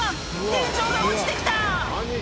天井が落ちて来た！」